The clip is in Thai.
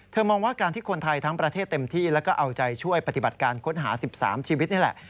มองว่าการที่คนไทยทั้งประเทศเต็มที่แล้วก็เอาใจช่วยปฏิบัติการค้นหา๑๓ชีวิตนี่แหละ